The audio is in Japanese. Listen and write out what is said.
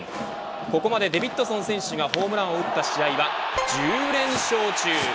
ここまでデビッドソン選手がホームランを打った試合は１０連勝中。